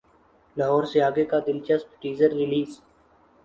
لاہور سے اگے کا دلچسپ ٹیزر ریلیز